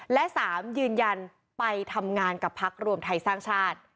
และ๓ยืนยันไปทำงานกับพักรวมไทยสร้างชาติ